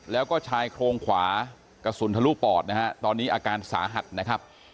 แล้วก็ชายโครงขวากระสุนทะลุปอดนะฮะตอนนี้อาการสาหัสนะครับ